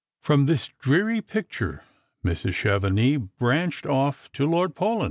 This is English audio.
From this dreary picture Mrs. Chevenix branched ff to Lord Paulyn.